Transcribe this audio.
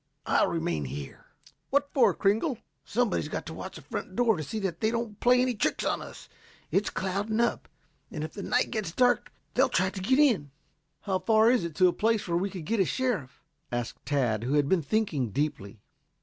"I'll remain here." "What for, Kringle?" "Somebody's got to watch the front door to see that they don't play any tricks on us. It's clouding up, and if the night gets dark they'll try to get in." "How far is it to a place where we could get a sheriff?" asked Tad, who had been thinking deeply.